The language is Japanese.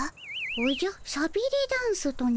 おじゃさびれダンスとな？